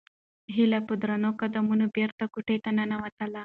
هیله په درنو قدمونو بېرته کوټې ته ننووتله.